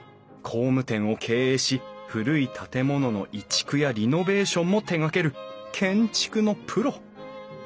工務店を経営し古い建物の移築やリノベーションも手がける建築のプロ。